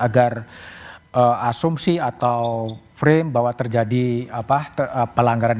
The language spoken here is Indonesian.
agar asumsi atau frame bahwa terjadi pelanggaran